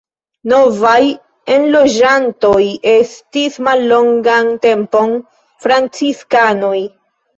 Novaj enloĝantoj estis mallongan tempon franciskanoj.